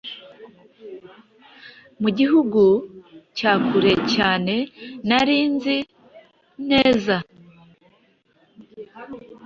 Mu gihugu cya kure cyane nari nzi neza